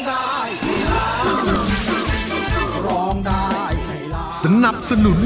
โดยลองได้ให้ล้าง